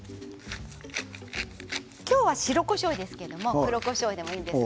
今日は白こしょうですけど黒こしょうでもいいです。